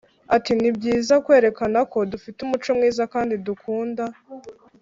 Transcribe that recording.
Ati “Ni byiza kwerekana ko dufite umuco mwiza kandi dukunda